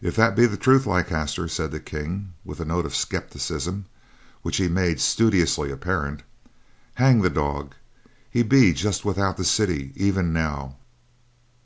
"If that be the truth, Leicester," said the King, with a note of skepticism which he made studiously apparent, "hang the dog. He be just without the city even now."